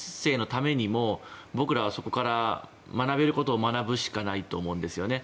ためにも僕らは、そこから学べることを学ぶしかないと思うんですよね。